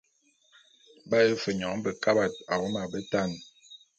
B’aye fe nyoň bekabat awom a betan.